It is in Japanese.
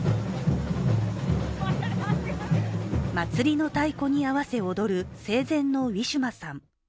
祭りの太鼓に合わせ踊る生前のウィシュマさん。